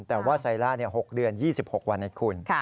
แต่ว่าไซล่า๖เดือน๒๖วันให้คุณ